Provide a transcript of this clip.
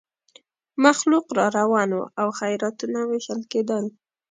مخلوق را روان وو او خیراتونه وېشل کېدل.